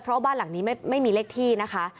เพราะบ้านหลังนี้ไม่มีเลขที่นะคะ